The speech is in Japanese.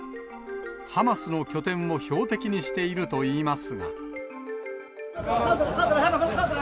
ハマスの拠点を標的にしているといいますが。